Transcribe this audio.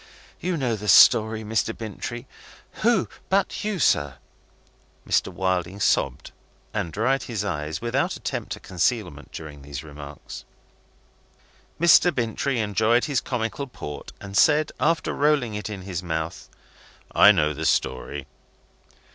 You know the story, Mr. Bintrey, who but you, sir!" Mr. Wilding sobbed and dried his eyes, without attempt at concealment, during these remarks. Mr. Bintrey enjoyed his comical port, and said, after rolling it in his mouth: "I know the story."